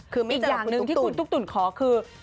คืออีกอย่างหนึ่งที่คุณตุ๊กตุ๋นขอคือ